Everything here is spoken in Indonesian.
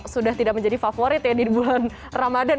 sudah tidak menjadi favorit ya di bulan ramadan